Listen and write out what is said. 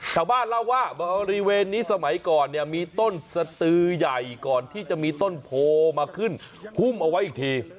ชาวบ้านเล่าว่าบริเวณนี้สมัยก่อนเนี่ยมีต้นสตือใหญ่ก่อนที่จะมีต้นโพมาขึ้นหุ้มเอาไว้อีกที